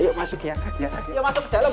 masuk ke dalam